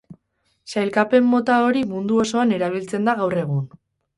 Sailkapen-mota hori mundu osoan erabiltzen da gaur egun.